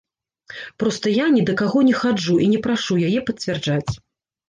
Проста я ні да каго не хаджу і не прашу яе пацвярджаць.